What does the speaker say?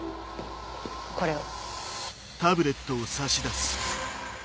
これを。